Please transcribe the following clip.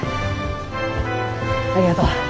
ありがとう。